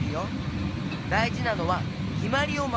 だいじなのはきまりをまもること。